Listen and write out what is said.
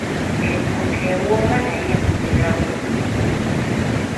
Empuuta ewooma naye empunyira bubi.